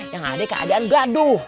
yang ada keadaan gaduh